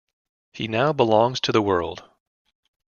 He now belongs to the world.